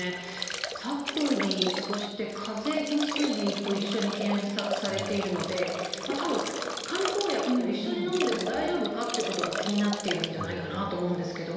「サプリ」そして「かぜ薬」と一緒に検索されているので多分漢方薬と一緒にのんでも大丈夫かということが気になっているんじゃないかなと思うんですけども。